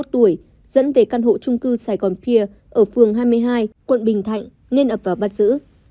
dẫn về căn hộ trung cư sài gòn pier ở phường hai mươi hai quận bình thạnh nên ập vào bắt giữ